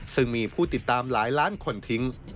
ซึ่งมีผู้ติดตามหลายล้านคนทิ้ง